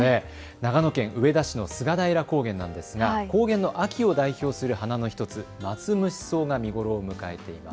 長野県上田市の菅平高原なんですが高原の秋を代表する花の１つ、マツムシソウが見頃を迎えています。